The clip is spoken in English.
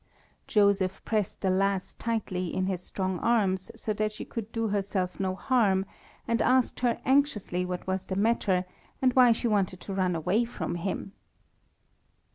Joseph pressed the lass tightly in his strong arms so that she could do herself no harm, and asked her anxiously what was the matter, and why she wanted to run away from him.